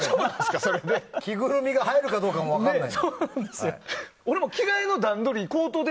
着ぐるみが入るかどうかも分からない。